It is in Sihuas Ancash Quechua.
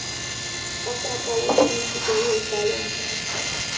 Raqrapa uusha michiq aywaykaayan.